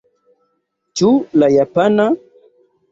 Ĉu la japana?